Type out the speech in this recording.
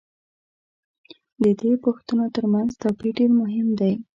د دې پوښتنو تر منځ توپیر دېر مهم دی.